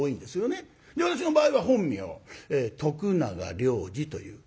私の場合は本名徳永良治という。